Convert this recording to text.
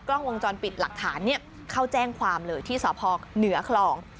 กล้องวงจรปิดหลักฐานเข้าแจ้งความเลยที่สพเหนือคลอง